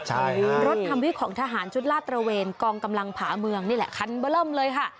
ใช่ฮะรถทำวิของทหารชุดลาดตระเวนกองกำลังผาเมืองนี่แหละคันเบอร์เริ่มเลยค่ะ